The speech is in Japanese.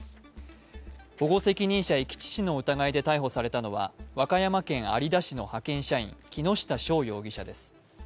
保護責任者遺棄致死の疑いで逮捕されたのは、和歌山県有田市の派遣社員木下匠容疑者です。